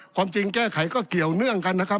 ความจริงแก้ไขก็เกี่ยวเนื่องกันนะครับ